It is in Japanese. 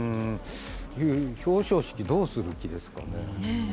表彰式、どうする気ですかね。